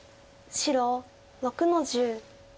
白６の十。